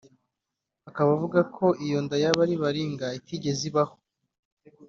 akaba avuga ko ngo iyo nda yaba ari baringa itigeze ibaho